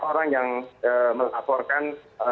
orang yang melaporkan